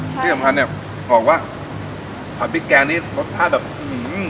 ที่สำคัญเนี้ยบอกว่าผัดพริกแกงนี้รสชาติแบบอื้อหือ